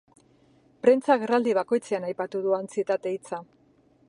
Prentsa agerraldi bakoitzean aipatu du antsietate hitza.